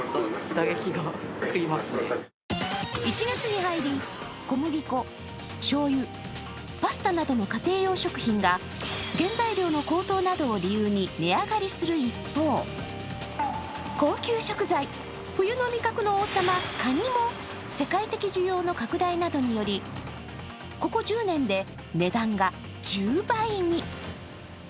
１月に入り、小麦粉、しょうゆ、パスタなどの家庭用食品が原材料の高騰などを理由に値上がりする一方、高級食材、冬の味覚の王様かにも世界的需要の拡大などによりここ１０年で値段が１０倍に。